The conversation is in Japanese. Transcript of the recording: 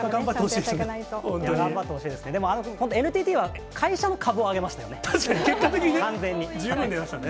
でも、ＮＴＴは会社の株を上げま確かに、結果的にね。